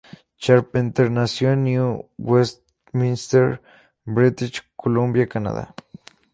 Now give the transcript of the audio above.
Charpentier nació en New Westminster, British Columbia, Canadá.